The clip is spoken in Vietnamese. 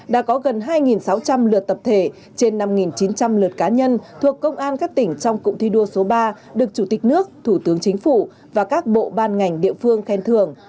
đã có gần hai sáu trăm linh lượt tập thể trên năm chín trăm linh lượt cá nhân thuộc công an các tỉnh trong cụm thi đua số ba được chủ tịch nước thủ tướng chính phủ và các bộ ban ngành địa phương khen thưởng